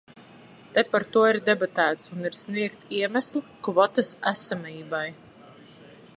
Te par to ir debatēts un ir sniegti iemesli kvotas esamībai.